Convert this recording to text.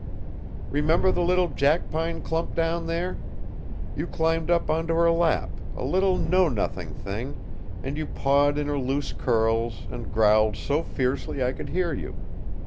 "Remember the little jackpine clump down there? You climbed up onto her lap, a little know nothing thing, and you pawed in her loose curls, and growled so fiercely I could hear you.